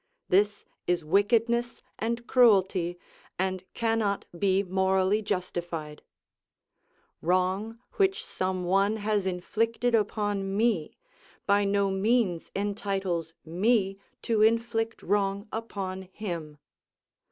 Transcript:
This is wickedness and cruelty, and cannot be morally justified. Wrong which some one has inflicted upon me by no means entitles me to inflict wrong upon him.